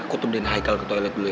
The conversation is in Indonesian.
kutubin haikal ke toilet dulu ya